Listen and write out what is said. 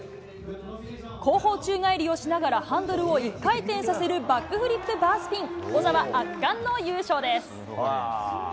後方宙返りをしながら、ハンドルを１回転させるバックフリップバースピン。